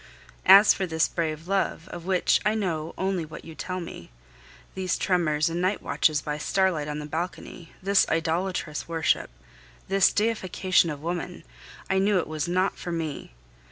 As for this brave love, of which I know only what you tell me, these tremors and night watches by starlight on the balcony, this idolatrous worship, this deification of woman I knew it was not for me.